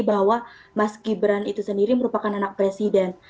bahwa mas gibran itu sendiri merupakan anak presiden